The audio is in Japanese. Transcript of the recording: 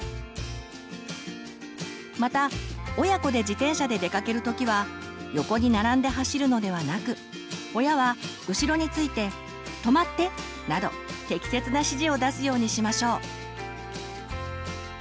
また親子で自転車で出かける時は横に並んで走るのではなく親は後ろについて「止まって」など適切な指示を出すようにしましょう。